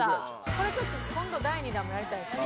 これちょっと今度第２弾もやりたいですね。